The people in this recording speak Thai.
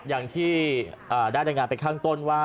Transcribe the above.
อย่างที่ได้รายงานไปข้างต้นว่า